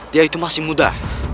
dia itu masih muda